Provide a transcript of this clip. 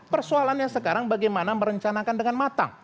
persoalannya sekarang bagaimana merencanakan dengan matang